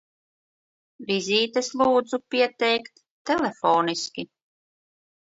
Vizītes lūdzu pieteikt telefoniski!